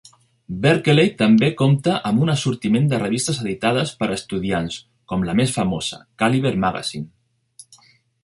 Berkeley també compta amb un assortiment de revistes editades per estudiants, com la més famosa, Caliber Magazine.